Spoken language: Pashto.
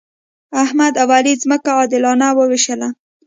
احمد او علي ځمکه عادلانه وویشله.